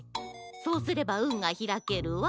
そうすればうんがひらけるわ。